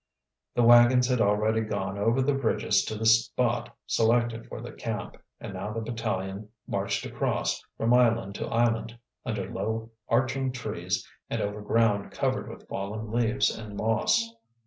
The wagons had already gone over the bridges to the spot selected for the camp, and now the battalion marched across, from island to island, under low arching trees and over ground covered with fallen leaves and moss.